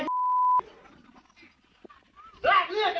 ที่รักดูสิ